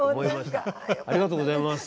ありがとうございます。